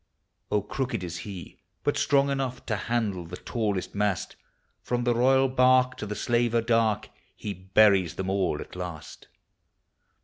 Oh, crooked is he, but strong enough To handle the tallest mast; From the royal barque to the slaver dark, He buries them all at last.